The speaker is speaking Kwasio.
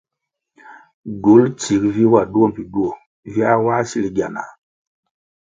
Gywul tsig vi wa duo mbpi duo, viā wā sil gyanah,